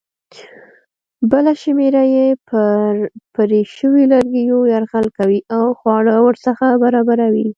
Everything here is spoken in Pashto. بله شمېره یې پر پرې شویو لرګیو یرغل کوي او خواړه ورڅخه برابروي.